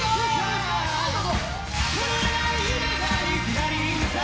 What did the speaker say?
はいどうぞ！